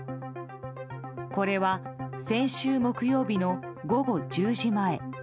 これは、先週木曜日の午後１０時前。